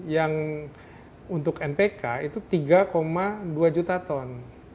yang untuk npk itu tiga dua juta ton